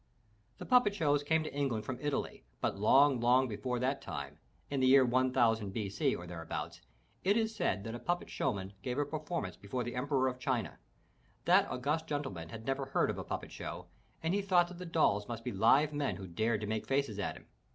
The puppet shows came to England from Italy, but long, long, before that time, in the year 1000 B. C. or thereabouts, it is said that a puppet show man gave a performance before the Emperor of China. That august gentleman had never heard of a puppet show and he thought that the dolls must be live men who dared to make faces at him.